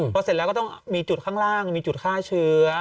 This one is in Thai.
พอเสร็จแล้วก็ต้องมีจุดข้างล่างมีจุดฆ่าเชื้อ